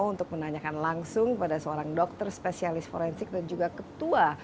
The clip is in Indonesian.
untuk menanyakan langsung pada seorang dokter spesialis forensik dan juga ketua